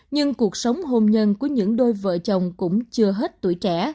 nhưng cuộc sống hôn nhân của những đôi vợ chồng cũng chưa hết tuổi trẻ